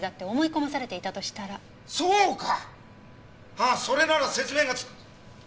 ああそれなら説明がつく。